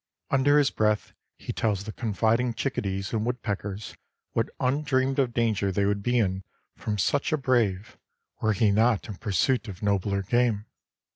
Under his breath he tells the confiding chickadees and woodpeckers what undreamed of danger they would be in from such a brave, were he not in pursuit of nobler game.